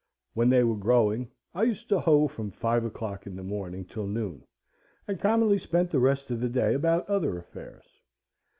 When they were growing, I used to hoe from five o'clock in the morning till noon, and commonly spent the rest of the day about other affairs.